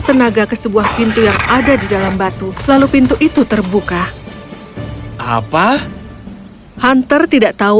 tenaga ke sebuah pintu yang ada di dalam batu lalu pintu itu terbuka apa hunter tidak tahu